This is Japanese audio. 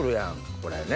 これね